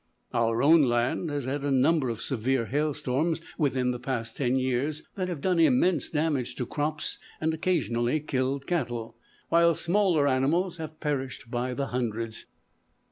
Our own land has had a number of severe hail storms within the past ten years, that have done immense damage to crops, and occasionally killed cattle, while smaller animals have perished by hundreds.